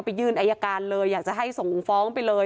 ยื่นอายการเลยอยากจะให้ส่งฟ้องไปเลย